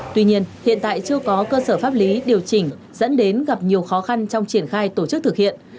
tuy nhiên hiện tại chưa có cơ sở pháp lý điều chỉnh dẫn đến gặp nhiều khó khăn trong triển khai tổ chức thực hiện